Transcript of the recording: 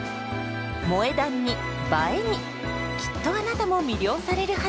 「萌え断」に「映え」にきっとあなたも魅了されるはず！